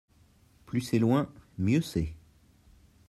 plus c'est loin mieux c'est.